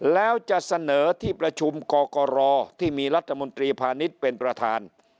แล้วจะเสนอที่ประชุมกกรที่มีรัฐมนตรีพาณิชย์เป็นประธาน